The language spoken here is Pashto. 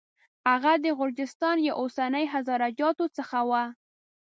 هغه د غرجستان یا اوسني هزاره جاتو څخه و.